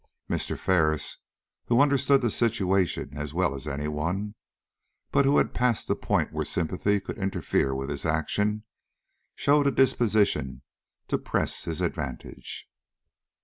Mr. Ferris, who understood the situation as well as any one, but who had passed the point where sympathy could interfere with his action, showed a disposition to press his advantage.